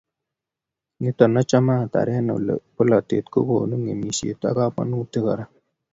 nito, achame atare kole akot bolatet kokonu ngemisiet ak kamanutik kora